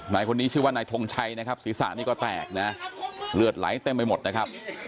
นายคนนี้ชื่อว่านายทงชัยนะครับศีรษะนี่ก็แตกนะเลือดไหลเต็มไปหมดนะครับ